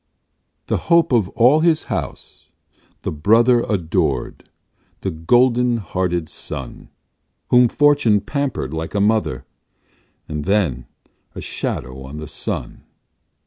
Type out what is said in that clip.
The hope of all his House, the brother Adored, the golden hearted son, Whom Fortune pampered like a mother; And then, a shadow on the sun.